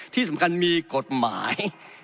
ที่สำคัญมีกฎหมาย